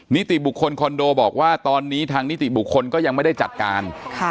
นิติบุคคลคอนโดบอกว่าตอนนี้ทางนิติบุคคลก็ยังไม่ได้จัดการ